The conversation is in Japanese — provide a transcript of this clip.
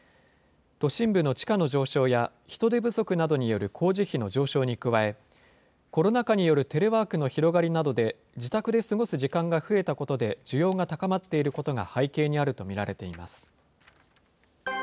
都心部の地価の上昇や、人手不足などによる工事費の上昇に加え、コロナ禍によるテレワークの広がりなどで、自宅で過ごす時間が増えたことで、需要が高まっていることが背景にあると見られています。